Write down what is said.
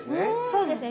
そうですね